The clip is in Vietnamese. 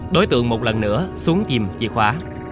đối tượng một lần nữa xuống tìm chìa khóa